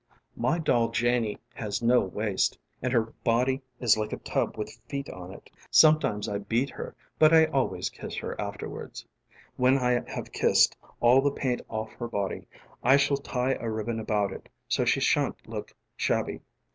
:: My doll Janie has no waist and her body is like a tub with feet on it. Sometimes I beat her but I always kiss her afterwards. When I have kissed all the paint off her body I shall tie a ribbon about it so she shan't look shabby.